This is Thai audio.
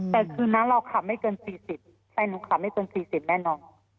แต่คืนนั้นเราขับไม่เกินสี่สิบใช่หนูขับไม่เกินสี่สิบแน่นอน